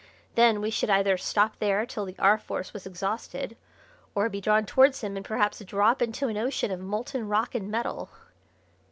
Then we should either stop there till the R. Force was exhausted or be drawn towards him and perhaps drop into an ocean of molten rock and metal."